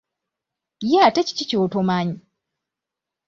Ye ate kiki ky'otomanyi?